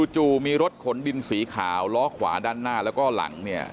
จู่มีรถขนดินสีขาวล้อขวาด้านหน้าแล้วก็หลังเนี่ย